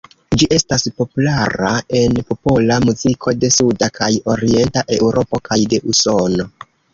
Ĝi estas populara en popola muziko de suda kaj orienta Eŭropo kaj de Usono.